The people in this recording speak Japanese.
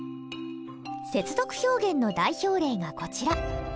接続表現の代表例がこちら。